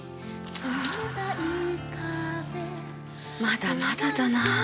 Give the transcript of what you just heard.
まだまだだなあ。